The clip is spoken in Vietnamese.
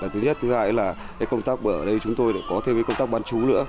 thứ nhất thứ hai là công tác ở đây chúng tôi lại có thêm công tác bán chú nữa